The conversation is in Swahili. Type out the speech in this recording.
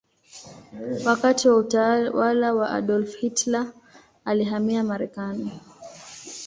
Wakati wa utawala wa Adolf Hitler alihamia Marekani.